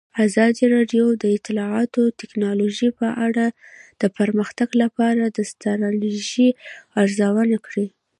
ازادي راډیو د اطلاعاتی تکنالوژي په اړه د پرمختګ لپاره د ستراتیژۍ ارزونه کړې.